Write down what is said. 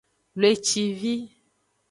Wlecivi.